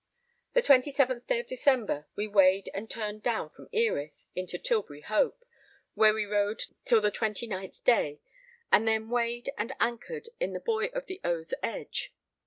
The 27th day of December, we weighed and turned down from Erith into Tilbury Hope, where we rode till the 29th day, and then weighed, and anchored at the buoy of the Oaze Edge.